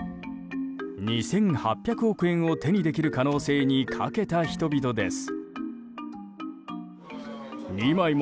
２８００億円を手にできる可能性に賭けた人々です。